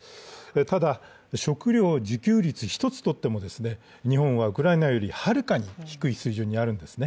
ただ、食料自給率一つとっても日本はウクライナよりはるかに低い水準にあるんですね。